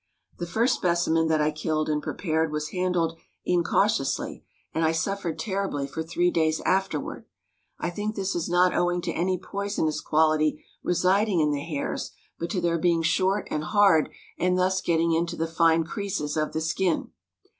The first specimen that I killed and prepared was handled incautiously, and I suffered terribly for three days afterward. I think this is not owing to any poisonous quality residing in the hairs, but to their being short and hard, and thus getting into the fine creases of the skin.